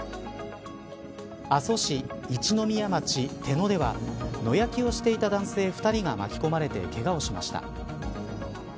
阿蘇市一の宮町手野では野焼きをしていた男性２人が巻き込まれてけがをしました。